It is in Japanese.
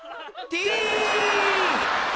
「Ｔ！